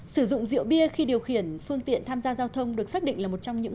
sử dụng rượu bia khi điều khiển phương tiện tham gia giao thông được xác định là một trong những